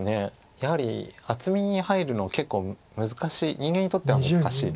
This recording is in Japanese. やはり厚みに入るの結構難しい人間にとっては難しいので。